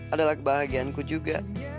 adalah kebahagianku juga